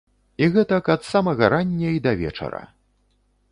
І гэтак ад самага рання і да вечара.